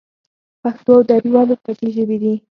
پښتو او دري ولې خوږې ژبې دي؟